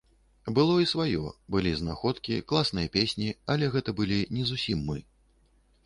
Было і сваё, былі знаходкі, класныя песні, але гэта былі не зусім мы.